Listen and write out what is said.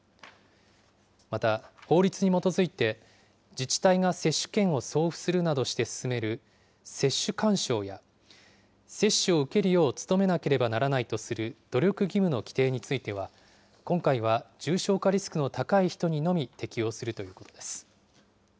また、法律に基づいて、自治体が接種券を送付するなどして勧める接種勧奨や、接種を受けるよう努めなければならないとする努力義務の規定については、今回は重症化リスクの高い人にのみ適用するということです。